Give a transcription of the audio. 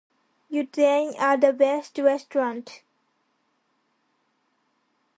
You dine at the best restaurants,